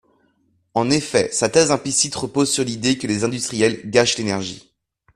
En effet, sa thèse implicite repose sur l’idée que les industriels gâchent l’énergie.